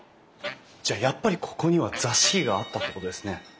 じゃあやっぱりここには座敷があったってことですね。